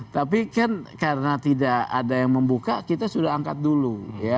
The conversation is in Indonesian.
tapi kan karena tidak ada yang membuka kita sudah angkat dulu